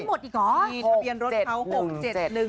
มีทะเบียนรถเขา๖๗๑๗